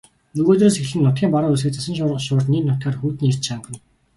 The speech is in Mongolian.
Нөгөөдрөөс эхлэн нутгийн баруун хэсгээр цасан шуурга шуурч нийт нутгаар хүйтний эрч чангарна.